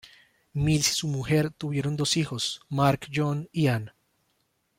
Mills y su mujer tuvieron dos hijos, Mark John y Ann.